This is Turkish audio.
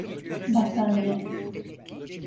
Battaniye…